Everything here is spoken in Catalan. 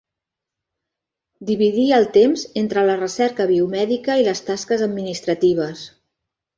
Dividia el temps entre la recerca biomèdica i les tasques administratives.